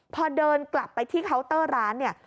พอเดินกลับไปที่เคาน์เตอร์ร้านเนี่ย